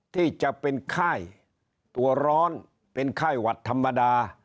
ที่จะเป็นไข้ตัวร้อนเป็นไข้หวัดธรรมดา